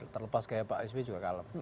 terlepas kayak pak sby juga kalem